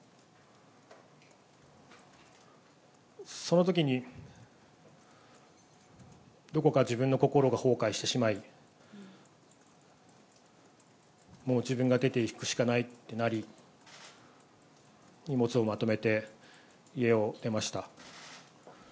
そのときに、どこか自分の心が崩壊してしまい、もう自分が出ていくしかないってなり、荷物をまとめて家を出ました。